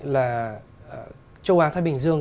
là châu á thái bình dương